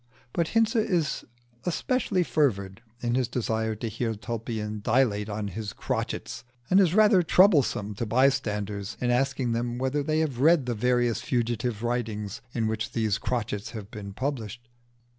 But Hinze is especially fervid in his desire to hear Tulpian dilate on his crotchets, and is rather troublesome to bystanders in asking them whether they have read the various fugitive writings in which these crotchets have been published.